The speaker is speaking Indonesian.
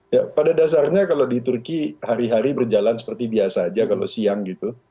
ya pada dasarnya kalau di turki hari hari berjalan seperti biasa aja kalau siang gitu